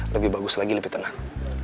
lebih bagus lagi lebih tenang